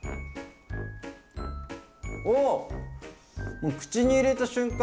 もう口に入れた瞬間